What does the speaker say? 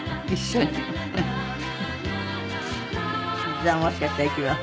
じゃあもしかしたらいきます。